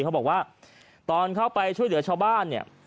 เขาบอกว่าตอนเข้าไปช่วยเหลือชาวบ้านเนี่ย